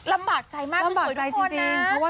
ลำบากใจมากคือสวยทุกคนนะ